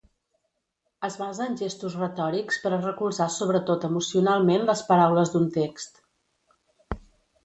Es basa en gestos retòrics per a recolzar sobretot emocionalment les paraules d'un text.